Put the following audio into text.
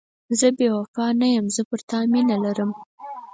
زه بې وفا نه یم، زه پر تا مینه لرم.